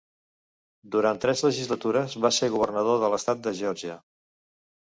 Durant tres legislatures va ser Governador de l'estat de Geòrgia.